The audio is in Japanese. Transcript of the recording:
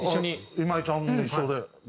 今井ちゃんも一緒でやって。